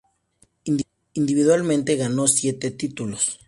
Individualmente ganó siete títulos.